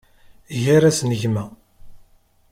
Gar-asen gma.